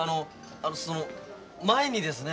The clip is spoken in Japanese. あのその前にですね